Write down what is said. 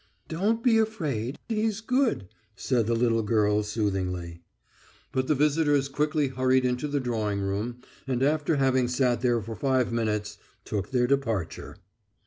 "Don't be afraid, he's good," said the little girl soothingly. But the visitors quickly hurried into the drawing room, and after having sat there for five minutes took their departure.